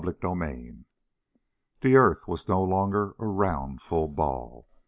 CHAPTER 19 The earth was no longer a round full ball.